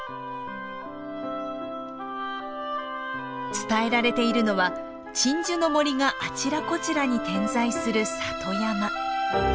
伝えられているのは鎮守の森があちらこちらに点在する里山。